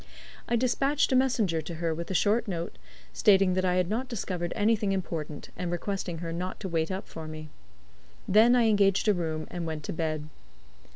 I despatched a messenger to her with a short note stating that I had not discovered anything important, and requesting her not to wait up for me. Then I engaged a room and went to bed.